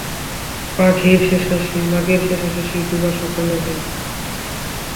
মাঘের শেষাশেষি ডোবা শুকাইয়া যায়।